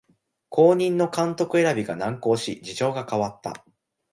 後任の監督選びが難航し事情が変わった